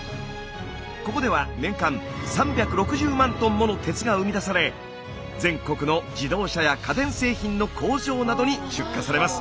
ここでは年間３６０万ｔもの鉄が生み出され全国の自動車や家電製品の工場などに出荷されます。